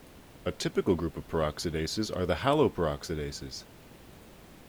A typical group of peroxidases are the haloperoxidases.